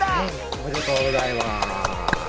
ありがとうございます。